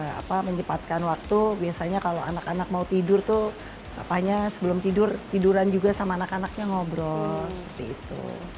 ya mungkin apa menjepatkan waktu biasanya kalau anak anak mau tidur tuh apanya sebelum tidur tiduran juga sama anak anaknya ngobrol gitu